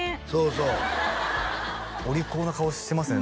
そうお利口な顔してますね